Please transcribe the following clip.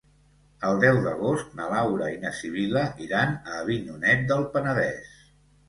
El deu d'agost na Laura i na Sibil·la iran a Avinyonet del Penedès.